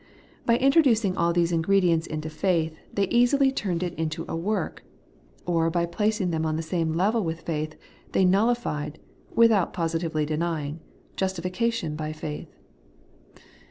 By in troducing all these ingredients into faith, they easily turned it into a work ; or by placing them on the same level with faith, they nullified (with out positively denying) justification by faith.